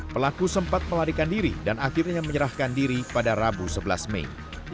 pelaku sempat melarikan diri dan akhirnya menyerahkan diri pada rabu sebelas mei